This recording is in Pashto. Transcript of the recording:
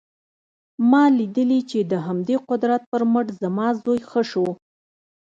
ما لیدلي چې د همدې قدرت پر مټ زما زوی ښه شو